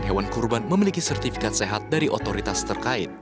hewan kurban memiliki sertifikat sehat dari otoritas terkait